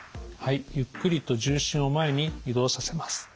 はいゆっくりと重心を前に移動させます。